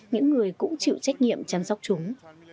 những người cũng chịu trách nhiệm chăm sóc chúng